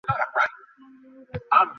আমি জানি না, সে নিশ্চয়ই পাহাড় কেটে চলে এসেছে।